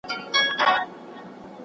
¬ لېونى په خپل کار ښه پوهېږي.